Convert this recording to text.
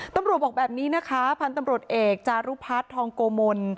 บอกแบบนี้นะคะพันธุ์ตำรวจเอกจารุพัฒน์ทองโกมล